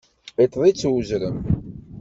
Iṭṭeḍ-ik uzrem.